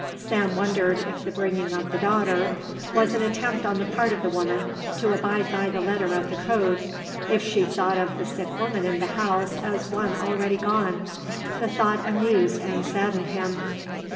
Sam wondered if the bringing of the daughter was an attempt on the part of the woman to abide by the letter of the code, if she thought of the sick woman in the house as one already gone. The thought amused and saddened him.